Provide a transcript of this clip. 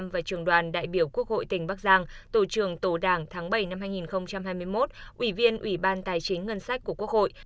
và trường đoàn đại biểu quốc hội tỉnh bắc giang tổ trưởng tổ đảng tháng bảy năm hai nghìn hai mươi một ủy viên ủy ban tài chính ngân sách của quốc hội